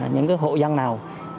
những hộ dân nào